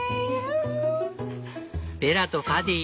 ベラとパディ